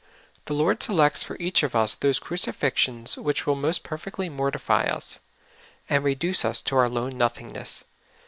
The Lord selects for each of us those crucifixions which will most perfectly mortify us, and reduce us to our lone nothingness.